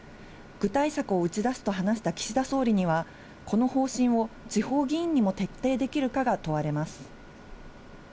具体策を打ち出すと話した岸田総理には、この方針を地方議員にも徹底できるかが問われます。